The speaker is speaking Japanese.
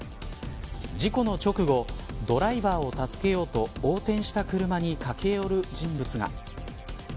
事故の直後ドライバーを助けようと横転した車に駆け寄る人物が。